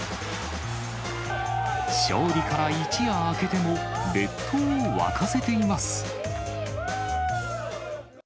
勝利から一夜明けても、列島を沸かせています。